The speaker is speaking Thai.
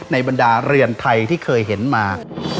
บรรดาเรือนไทยที่เคยเห็นมา